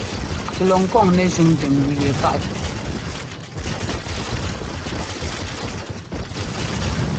Á lɔ ŋkɔ̂n nɛ́ jʉ́ntɛ́ mbʉ yɛ paʼtɛ.